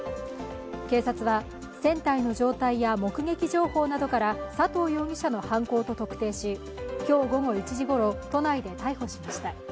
警察は船体の状態や目撃情報などから佐藤容疑者の犯行と特定し、今日午後１時ごろ、都内で逮捕しました。